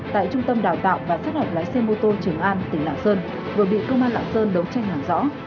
tại trung tâm đào tạo và sát hạch lái xe mô tô trường an tỉnh lạng sơn vừa bị công an lạng sơn đấu tranh làm rõ